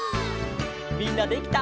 みんなできた？